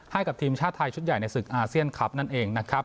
ให้กับทีมชาติไทยชุดใหญ่ในศึกอาเซียนคลับนั่นเองนะครับ